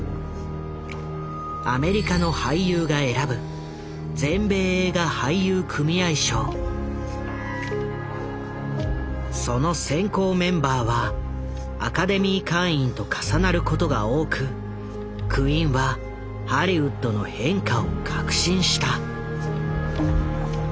アメリカの俳優が選ぶその選考メンバーはアカデミー会員と重なることが多くクインはハリウッドの変化を確信した。